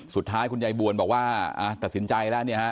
สุดท้ายคุณชายบวรบอกว่าอาทับสินใจแล้ว